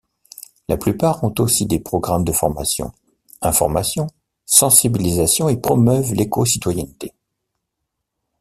La plupart ont aussi des programmes de formations, information, sensibilisation et promeuvent l'écocitoyenneté.